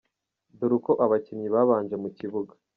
Dore uko abakinnyi babanje mu kibuga.